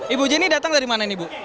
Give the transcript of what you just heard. ibu jenny datang dari mana ini ibu